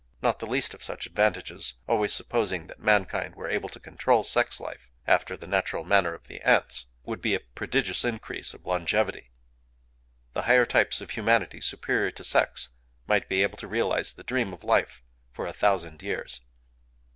Not the least of such advantages—always supposing that mankind were able to control sex life after the natural manner of the ants—would be a prodigious increase of longevity. The higher types of a humanity superior to sex might be able to realize the dream of life for a thousand years.